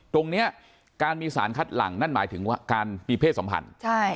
ตรงนี้การมีสารคัดหลังนั่นหมายถึงว่าการมีเพศสัมพันธ์